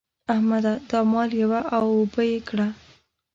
احمده! دا مال یوه او اوبه يې کړه.